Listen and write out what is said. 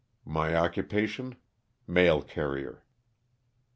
My occupation, mail carrier.